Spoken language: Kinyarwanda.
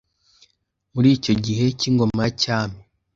Muri icyo gihe cy’ingoma ya cyami